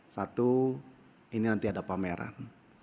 satu ini nanti ada pameran